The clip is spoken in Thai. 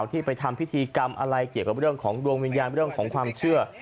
ที่ไปทำพิธีกรรมอะไรเกี่ยวกับเรื่องของดวงวิญญาณเรื่องของความเชื่อ